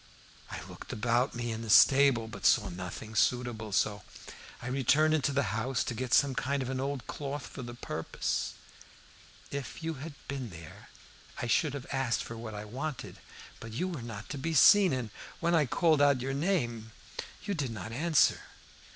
I looked about me in the stable, but saw nothing suitable, so I returned into the house to get some kind of an old cloth for the purpose. If you had been there I should have asked for what I wanted, but you were not to be seen, and when I called out your name you did not answer.